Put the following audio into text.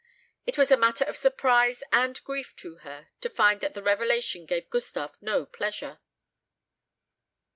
It was a matter of surprise and grief to her to find that the revelation gave Gustave no pleasure.